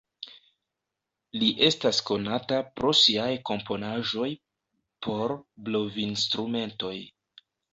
Li estas konata pro siaj komponaĵoj por blovinstrumentoj.